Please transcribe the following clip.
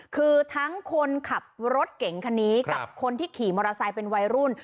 คือทั้งคนขับรถเก่งคันนี้กับคนที่ขี่มอเตอร์ไซค์เป็นวัยรุ่น